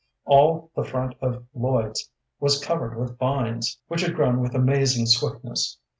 All the front of Lloyd's was covered with vines, which had grown with amazing swiftness.